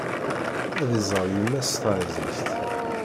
Ad iẓer yemma-s taɛzizt.